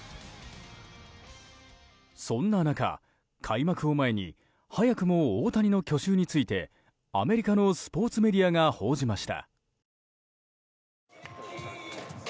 そんな中、開幕を前に早くも大谷の去就についてアメリカのスポーツメディアが報じました。